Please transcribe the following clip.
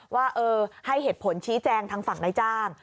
ว่าให้เหตุผลชี้แจงทางฝั่งนายจ้าง